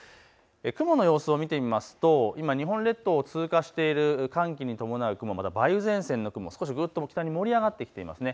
雲の様子を見てみますと日本列島を通過している寒気に伴う雲、梅雨前線の雲、北に盛り上がってます。